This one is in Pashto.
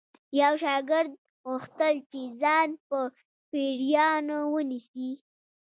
یو شاګرد غوښتل چې ځان په پیریانو ونیسي